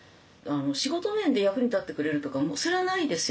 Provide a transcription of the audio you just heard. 仕事面で役に立ってくれるとかそれはないですよ